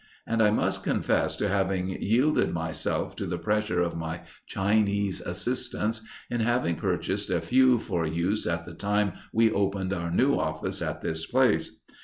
And I must confess to having yielded myself to the pressure of my Chinese assistants in having purchased a few for use at the time we opened our new office at this place.